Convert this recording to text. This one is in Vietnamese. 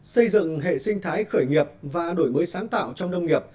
xây dựng hệ sinh thái khởi nghiệp và đổi mới sáng tạo trong nông nghiệp